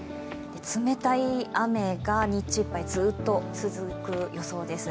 冷たい雨が日中いっぱいずっと続く予想です。